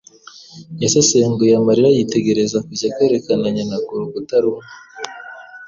Yasesenguye amarira, yitegereza kujya kwerekana nyina ku rukuta rumwe.